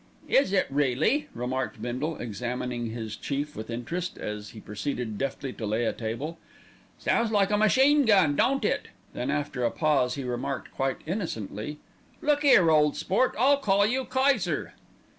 "Is it really?" remarked Bindle, examining his chief with interest, as he proceeded deftly to lay a table. "Sounds like a machine gun, don't it?" Then after a pause he remarked quite innocently, "Look 'ere, ole sport, I'll call you Kayser."